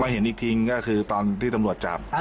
เห็นอีกทีก็คือตอนที่ตำรวจจับ